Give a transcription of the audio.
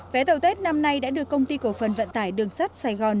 vé tàu tết năm nay đã được công ty cổ phần vận tải đường sắt sài gòn